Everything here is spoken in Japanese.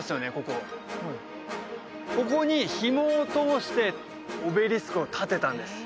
ここここにひもを通してオベリスクを立てたんです